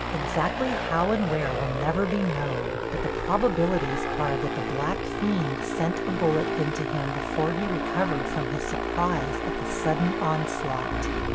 Exactly how and where will never be known, but the probabilities are that the black fiend sent a bullet into him before he recovered from his surprise at the sudden onslaught.